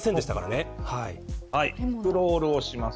スクロールをします。